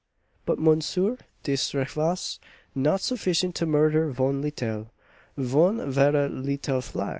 But, monsieur, de strike vas not sufficient to murder von littel von vara littel fly!"